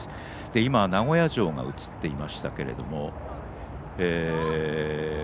今は名古屋城が映っています。